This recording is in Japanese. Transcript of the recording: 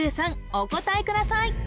お答えください